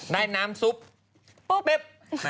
ได้น้ำซุปเป๊บ